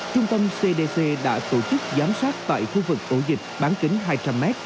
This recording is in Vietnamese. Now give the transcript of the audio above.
trung tâm cdc đã tổ chức giám sát tại khu vực ổ dịch bán kính hai trăm linh m